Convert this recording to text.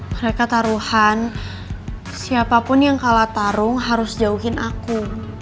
mereka taruhan siapapun yang kalah tarung harus jauhin aku